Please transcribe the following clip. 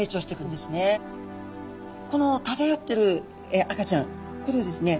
このただよってる赤ちゃんこれをですね。